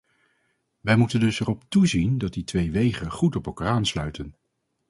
Wij moeten dus erop toezien dat die twee wegen goed op elkaar aansluiten.